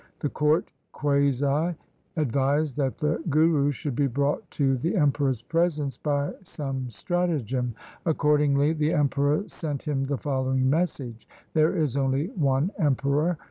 The Court qazi advised that the Guru should be brought to the Emperor's presence by some stratagem. Accord ingly the Emperor sent him the following message. ' There is only one Emperor.